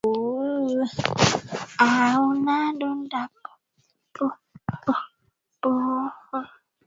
Ambayo inayofanywa na Mamlaka ya Udhibiti wa Nishati na Petroli Aprili tarehe kumi na nne, wakitumaini bei ya mafuta kuwa juu zaidi.